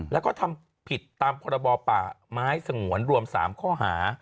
แล้วก็ทำผิดตามพรบป่าไม้สงวนรวม๓ข้อหา